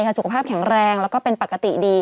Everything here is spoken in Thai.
แต่สุขภาพแข็งแรงและเป็นปกติดี